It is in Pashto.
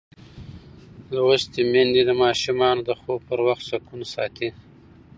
لوستې میندې د ماشومانو د خوب پر وخت سکون ساتي.